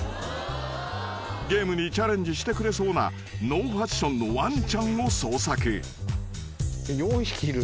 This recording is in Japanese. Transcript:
［ゲームにチャレンジしてくれそうなノーファッションのワンチャンを捜索］